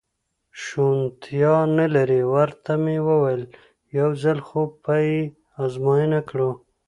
شونېتیا نه لري، ورته مې وویل: یو ځل خو به یې ازموینه کړو.